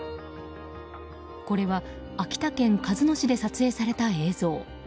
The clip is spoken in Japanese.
これは、秋田県鹿角市で撮影された映像。